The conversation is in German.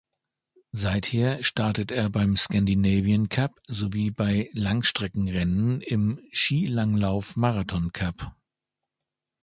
Seither startet er im Scandinavian Cup sowie bei Langstreckenrennen im Skilanglauf-Marathon-Cup.